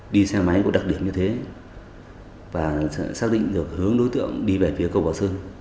đi xe máy có đặc điểm như thế và xác định được hướng đối tượng đi về phía cầu bảo sơn